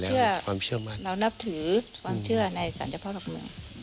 เรานับถือความเชื่อในศาลเจ้าพระบุญ